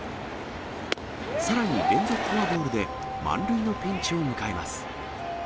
さらに連続フォアボールで満塁のピンチを迎えます。